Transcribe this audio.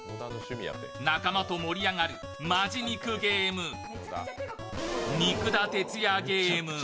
仲間と盛り上がる本気肉ゲーム、「肉田鉄也ゲーム」。